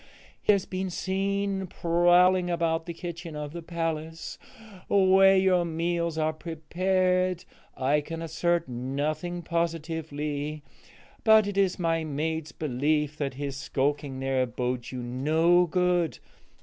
He has been seen prowling about the kitchen of the palace where your meals are prepared. I can assert nothing positively, but it is my maid's belief that his skulking there bodes you no good.